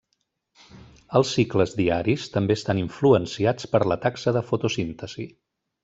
Els cicles diaris també estan influenciats per la taxa de fotosíntesi.